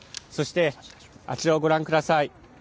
そして、あちらをご覧ください。